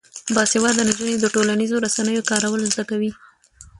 باسواده نجونې د ټولنیزو رسنیو کارول زده کوي.